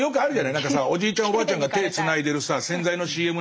何かさおじいちゃんがおばあちゃんが手つないでる洗剤のＣＭなんか見るとさ